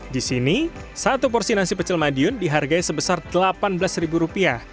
di sini satu porsi nasi pecel madiun dihargai sebesar rp delapan belas